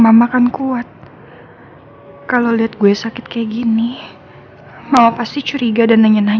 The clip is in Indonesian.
kamu gak mau kalau sampai papa penuh penapa